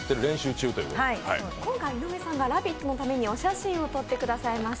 今回、井上さんが「ラヴィット！」のためにお写真を撮っていただきました。